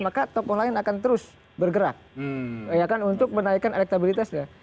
maka tokoh lain akan terus bergerak ya kan untuk menaikkan elektabilitasnya